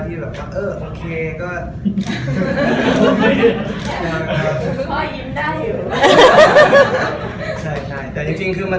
อย่างจริงแล้วก็ขอไม่ระบุในตัวเลขดีกว่า